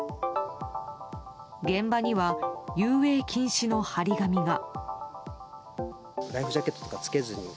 現場には遊泳禁止の貼り紙が。